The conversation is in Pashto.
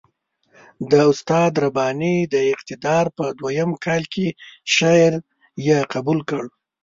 د استاد رباني د اقتدار په دویم کال کې شعر یې قبول کړ.